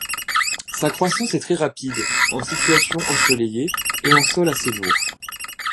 Sa croissance est très rapide en situation ensoleillée et en sol assez lourd.